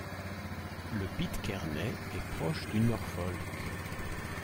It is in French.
Le pitcairnais est proche du norfolk.